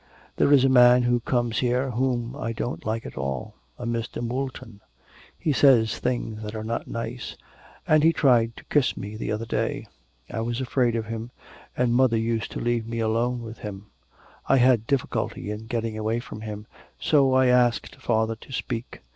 ... There is a man who comes here whom I don't like at all, a Mr. Moulton. He says things that are not nice, and he tried to kiss me the other day. I was afraid of him, and mother used to leave me alone with him. I had difficulty in getting away from him, so I asked father to speak.